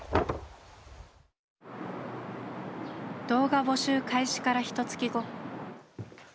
動画募集開始からひとつき後。